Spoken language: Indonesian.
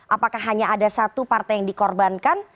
apakah hanya ada satu partai yang dikorbankan